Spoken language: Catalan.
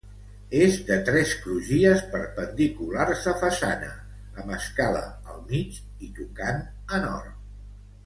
És de tres crugies perpendiculars a façana, amb escala al mig i tocant a nord.